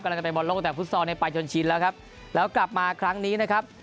กำลังจะไปบอลโลกตั้งแต่ฟุตซอลเนี่ยไปจนชินแล้วครับแล้วกลับมาครั้งนี้นะครับ